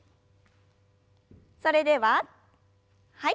それでははい。